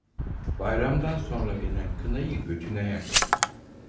Bayramdan sonra gelen kınayı götüne yak.